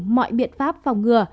mọi biện pháp phòng ngừa